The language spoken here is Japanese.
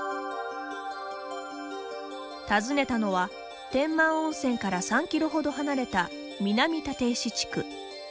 訪ねたのは天満温泉から３キロほど離れた南立石地区。